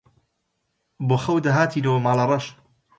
بۆ خەو دەهاتینەوە ماڵەڕەش